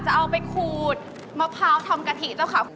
จะเอาไปขูดมะพร้าวทำกะทิเจ้าขาว